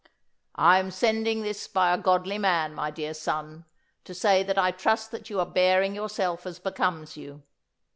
"I am sending this by a godly man, my dear son, to say that I trust that you are bearing yourself as becomes you.